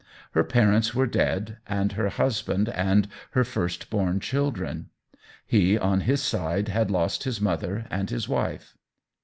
Her parents were dead, and her husband and her first born children. He, on his side, had lost his mother and his wife.